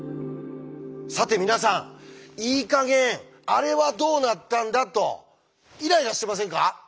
さて皆さんいい加減あれはどうなったんだとイライラしてませんか？